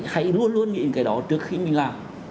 hãy luôn luôn nghĩ cái đó trước khi mình làm